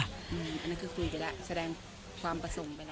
อันนั้นคือคุยกันแล้วแสดงความประสงค์ไปแล้ว